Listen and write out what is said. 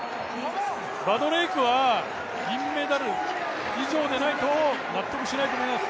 バドレイクは銀メダル以上でないと、納得しないと思います。